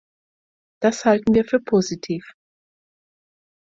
Das halten wir für positiv.